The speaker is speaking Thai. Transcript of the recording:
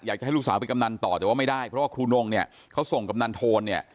อยากจะให้ลูกสาวเป็นกำนันต่อแต่ว่าไม่ได้เพราะว่าครูนงเนี่ยเขาส่งกำนันโทนเนี่ย